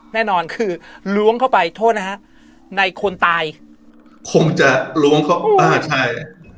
แน่นอนคือล้วงเข้าไปโทษนะฮะในคนตายคงจะล้วงเข้าไปอ่าใช่